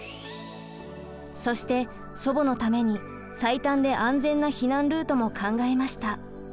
そして祖母のために最短で安全な避難ルートも考えました。